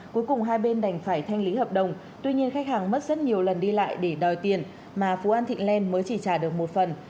cuối cùng hai bên đành phải thanh lý hợp đồng tuy nhiên khách hàng mất rất nhiều lần đi lại để đòi tiền mà phú an thịnh lên mới chỉ trả được một phần